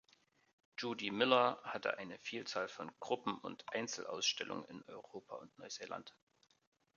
Judy Millar hatte eine Vielzahl von Gruppen- und Einzelausstellungen in Europa und Neuseeland.